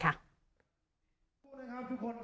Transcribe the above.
ทุกคนครับใจเย็นเย็นนะครับ